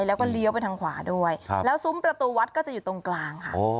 แล้วก็เลี้ยวไปทางขวาด้วยแล้วซุ้มประตูวัดก็จะอยู่ตรงกลางค่ะ